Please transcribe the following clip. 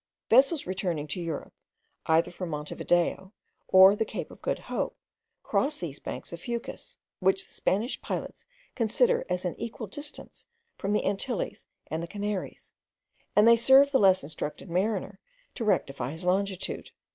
Vessels returning to Europe, either from Monte Video or the Cape of Good Hope, cross these banks of Fucus, which the Spanish pilots consider as at an equal distance from the Antilles and Canaries; and they serve the less instructed mariner to rectify his longitude.